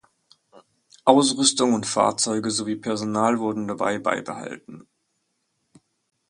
Ausrüstung und Fahrzeuge sowie Personal wurden dabei beibehalten.